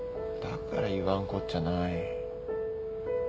だから言わんこっちゃない。